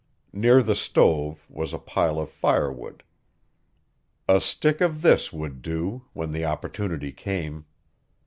Near the stove was a pile of firewood. A stick of this would do when the opportunity came.